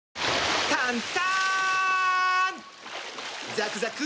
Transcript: ザクザク！